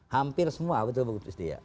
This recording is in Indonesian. hampir semua betul betul istri ya